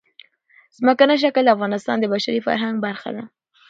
ځمکنی شکل د افغانستان د بشري فرهنګ برخه ده.